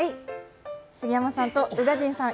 杉山さんと宇賀神さん